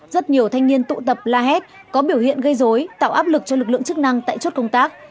rất nhiều thanh niên tụ tập la hét có biểu hiện gây dối tạo áp lực cho lực lượng chức năng tại chốt công tác